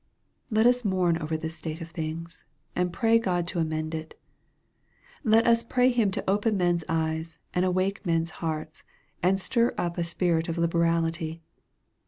Let us mourn over this state of things, and pray God to amend it. Let us pray Him to open men's eyes, and awake men's hearts, and stir up a spirit of liberality.